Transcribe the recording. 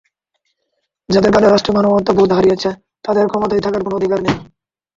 যাঁদের কারণে রাষ্ট্র মানবতাবোধ হারিয়েছে, তাঁদের ক্ষমতায় থাকার কোনো অধিকার নেই।